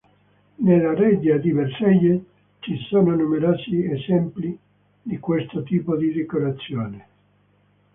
Nella reggia di Versailles ci sono numerosi esempi di questo tipo di decorazione.